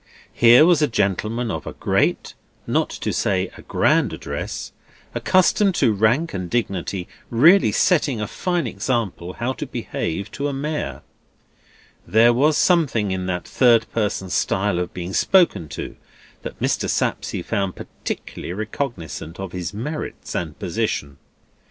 Here was a gentleman of a great, not to say a grand, address, accustomed to rank and dignity, really setting a fine example how to behave to a Mayor. There was something in that third person style of being spoken to, that Mr. Sapsea found particularly recognisant of his merits and position.